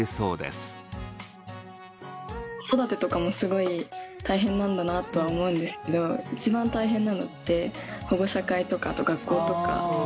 子育てとかもすごい大変なんだなとは思うんですけど一番大変なのって保護者会とかあと学校とか。